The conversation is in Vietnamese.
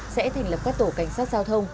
sẽ thành lập các tổ cảnh sát giao thông